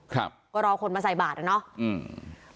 ครับก็รอคนมาใส่บาทอ่ะเนอะอืม